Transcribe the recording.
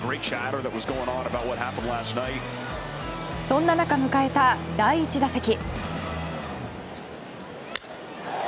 そんな中迎えた第１打席。